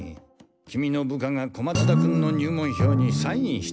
キミの部下が小松田君の入門表にサインしてたからね。